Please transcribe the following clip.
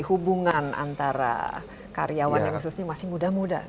hubungan antara karyawan yang khususnya masih muda muda